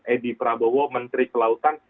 edi prabowo menteri kelautan